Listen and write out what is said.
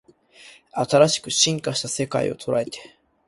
新しく進化した世界捉えて